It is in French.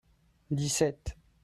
dix-sept.